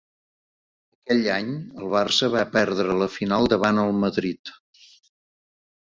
Aquell any, el Barça va perdre la final davant el Madrid.